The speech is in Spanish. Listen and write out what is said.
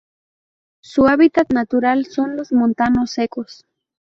Su hábitat natural son los montanos secos.